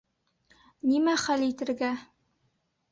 Нимә хәл итергә?